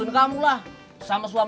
diri sendiri lah